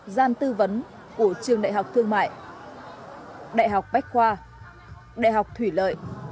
gian tư vấn của trường đại học thương mại đại học bách khoa đại học thủy lợi